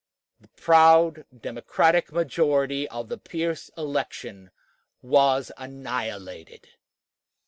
The proud Democratic majority of the Pierce election was annihilated.